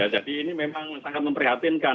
jadi ini memang sangat memprihatinkan